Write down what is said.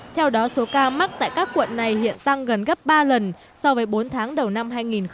theo đó số ca mắc tại các quận này hiện tăng gần gấp ba lần so với bốn tháng đầu năm hai nghìn một mươi tám